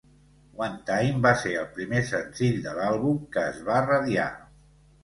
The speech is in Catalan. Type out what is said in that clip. "One Time" va ser el primer senzill de l'àlbum que es va radiar.